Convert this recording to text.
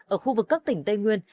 ở khu vực các tỉnh tây nguyên